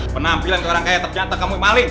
penampilan ke orang kaya ternyata kamu maling